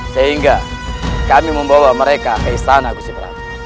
sehingga kami membawa mereka ke istana gusiparabu